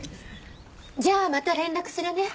じゃあまた連絡するね。